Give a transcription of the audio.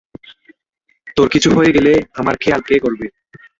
তোর কিছু হয়ে গেলে আমার খেয়াল কে রাখবে?